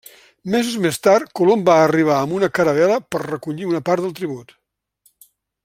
Mesos més tard, Colom va arribar amb una caravel·la per recollir una part del tribut.